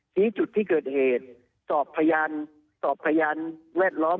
ชี้จุดที่เกิดเหตุสอบพยานสอบพยานแวดล้อม